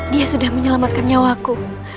dia sudah menyelamatkan nyawaku